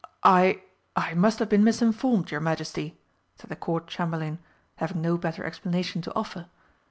"I I must have been misinformed, your Majesty," said the Court Chamberlain, having no better explanation to offer.